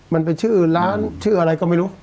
มันเป็นชื่อร้านชื่ออะไรก็ไม่รู้